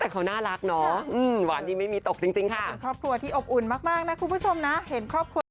คุณผู้ชมค่ะคุณผู้ชมค่ะ